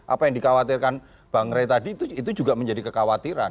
apa yang dikhawatirkan bang ray tadi itu juga menjadi kekhawatiran